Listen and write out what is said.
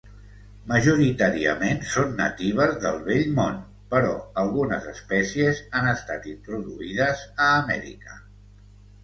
Majoritàriament són natives del Vell Món, però algunes espècies han estat introduïdes a Amèrica.